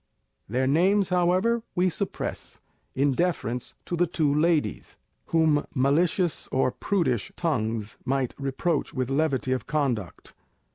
Their names, however, we suppress, in deference to the two ladies, whom malicious or prudish tongues might reproach with levity of conduct.